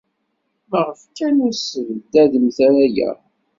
Maɣef kan ur tessebdademt ara aya?